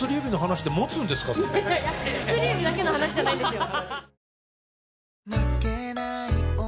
いやいやいや薬指だけの話じゃないんですよ